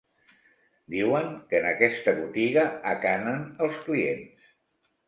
Diuen que en aquesta botiga acanen els clients.